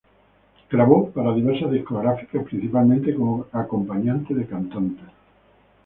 Grabó para diversas discográficas, principalmente como acompañante de cantantes.